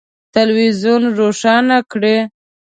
تلویزون روښانه کړئ